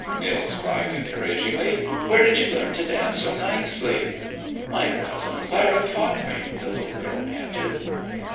Nils cried encouragingly. "Where did you learn to dance so nicely?" "My Cousin Clara taught me," the little girl panted.